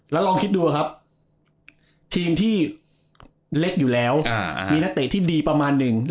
แล้วลองคิดดูครับทีมที่เล็กอยู่แล้วมีนักเตะที่ดีประมาณหนึ่ง